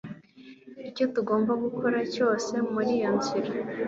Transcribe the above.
icyo tugomba gukora cyose muri iyo nzira?